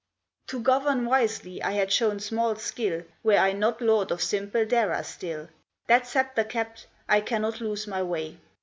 "To govern wisely I had shown small skill Were I not lord of simple Dara still; That sceptre kept, I cannot lose my way!"